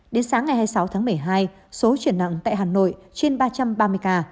đến sáng ngày hai mươi sáu tháng một mươi hai số chuyển nặng tại hà nội trên ba trăm ba mươi ca